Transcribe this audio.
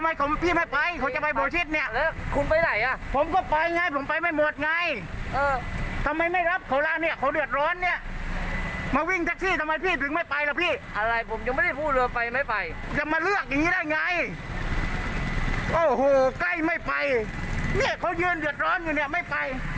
อย่างงี้ได้ไงโอ้โหใกล้ไม่ไปเนี่ยเขายืนเหยียดร้อนอยู่เนี่ยไม่ไป